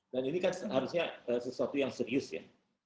dan ini kan harusnya sesuatu yang serius ya